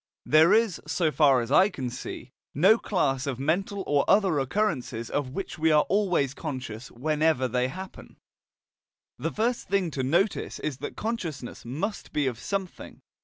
There is, so far as I can see, no class of mental or other occurrences of which we are always conscious whenever they happen. * Cf. Lecture VI. The first thing to notice is that consciousness must be of something.